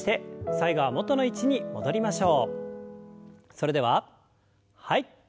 それでははい。